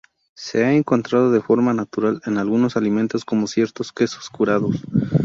Se ha encontrado de forma natural en algunos alimentos como ciertos quesos curados.